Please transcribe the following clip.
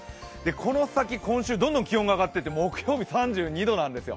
この先、どんどん気温が上がっていって、木曜日、３２度なんですよ。